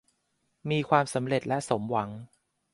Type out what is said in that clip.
มีความสำเร็จและสมหวัง